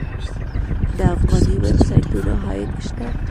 د افغاني ویب سایټونو عاید شته؟